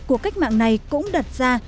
cuộc cách mạng này cũng đặt ra